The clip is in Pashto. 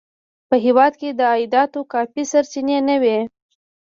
په هېواد کې د عایداتو کافي سرچینې نه وې.